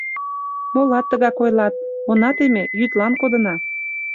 Молат тыгак ойлат: она теме — йӱдлан кодына.